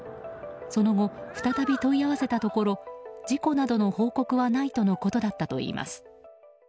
その後、再び問い合わせたところ事故などの報告はないとのことだったといいます。